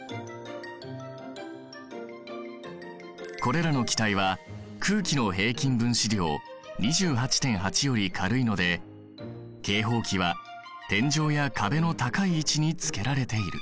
これらの気体は空気の平均分子量２８．８より軽いので警報器は天井や壁の高い位置につけられている。